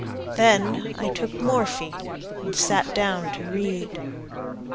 Then I took morphine and sat down to read.